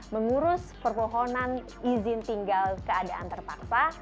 mengurus permohonan izin tinggal keadaan terpaksa